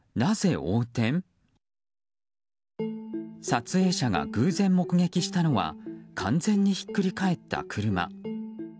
撮影者が偶然目撃したのは完全にひっくり返った車。